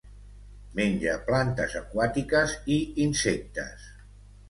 Menja plantes aquàtiques i insectes.